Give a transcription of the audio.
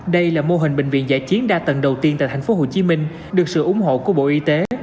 đây là mô hình bệnh viện giải chiến đa tầng đầu tiên tại tp hcm được sự ủng hộ của bộ y tế